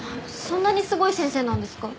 そんなにすごい先生なんですか？